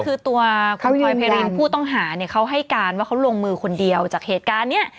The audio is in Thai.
คือตัวคุณพลอยเพรินผู้ต้องหาเนี่ยเขาให้การว่าเขาลงมือคนเดียวจากเหตุการณ์เนี้ย